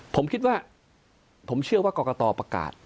ผมคิดว่าผมเชื่อว่ากรกตประกาศ